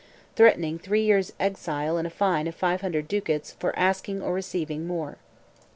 threatening three years' exile and a fine of 500 ducats for asking or receiving more.